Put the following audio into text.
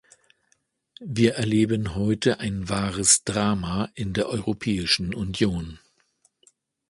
Wir erleben heute ein wahres Drama in der Europäischen Union.